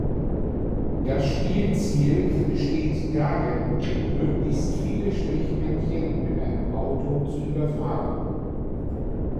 Das Spielziel besteht darin, möglichst viele Strichmännchen mit einem Auto zu überfahren.